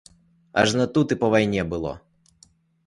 Ажно тут і па вайне было.